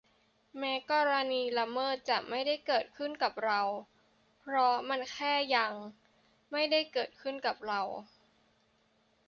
แม้กรณีละเมิดจะไม่ได้เกิดกับเรา เพราะมันแค่ "ยัง" ไม่ได้เกิดกับเรา